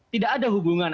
tidak ada hubungan